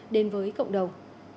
đến với cộng đồng